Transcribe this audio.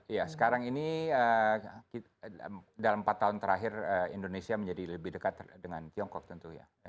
iya sekarang ini dalam empat tahun terakhir indonesia menjadi lebih dekat dengan tiongkok tentunya